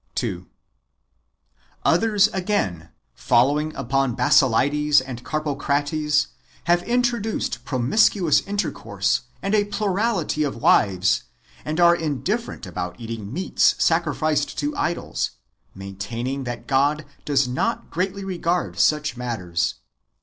2. Others, again, following upon Basilides and Carpocrates, have introduced promiscuous intercourse and a plurality of wdves, and are indifferent about eating meats sacrificed to idols, maintaining that God does not greatly regard such matters.